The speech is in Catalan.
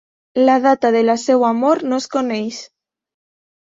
La data de la seva mort no es coneix.